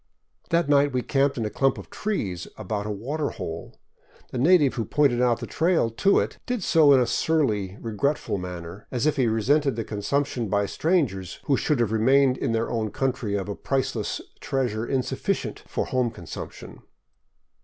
That night we camped in a clump of trees about a water hole. The native who pointed out the trail to it did so in a surly, regretful man ner, as if he resented the consumption by strangers who should have remained in their own country of a priceless treasure insufficient for home consumption.